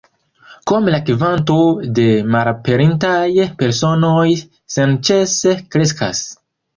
Krome la kvanto de malaperintaj personoj senĉese kreskas.